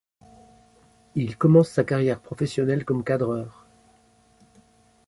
Il commence sa carrière professionnelle comme cadreur.